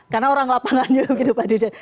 karena orang lapangan juga pak dirjan